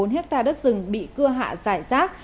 hai hai trăm một mươi bốn ha đất rừng bị cưa hạ giải rác